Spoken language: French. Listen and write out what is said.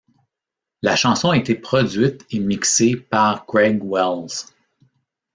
La chanson a été produite et mixée par Greg Wells.